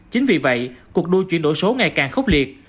chính vì vậy cuộc đua chuyển đổi số ngày càng khốc liệt